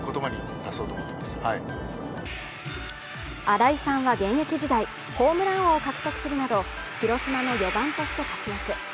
新井さんは現役時代、ホームラン王を獲得するなど広島の４番として活躍。